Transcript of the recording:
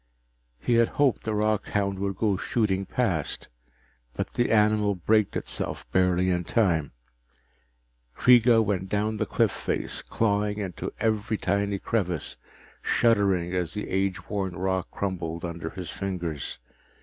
He had hoped the rockhound would go shooting past, but the animal braked itself barely in time. Kreega went down the cliff face, clawing into every tiny crevice, shuddering as the age worn rock crumbled under his fingers.